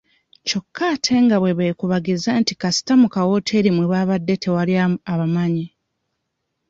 Kyokka ate nga bwe beekubagiza nti kasita mu kawooteri mwe babade teri abamanyi.